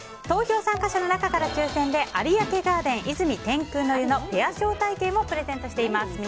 投票参加者の中から抽選で有明ガーデン泉天空の湯のペア招待券をプレゼントしています。